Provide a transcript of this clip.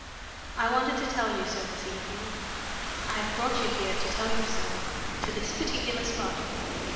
I wanted to tell you so this evening. I have brought you here to tell you so to this particular spot.